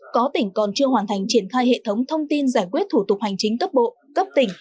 có tỉnh còn chưa hoàn thành triển khai hệ thống thông tin giải quyết thủ tục hành chính cấp bộ cấp tỉnh